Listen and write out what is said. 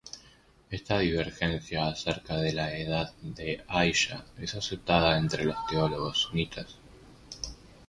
Esta divergencia acerca de la edad de Aisha es aceptada entre los teólogos sunitas.